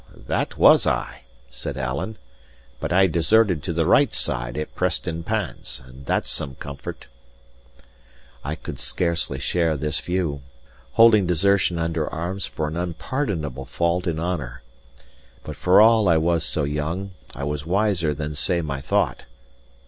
"That was I," said Alan. "But I deserted to the right side at Preston Pans and that's some comfort." I could scarcely share this view: holding desertion under arms for an unpardonable fault in honour. But for all I was so young, I was wiser than say my thought.